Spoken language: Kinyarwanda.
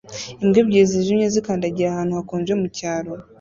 Imbwa ebyiri zijimye zikandagira ahantu hakonje mucyaro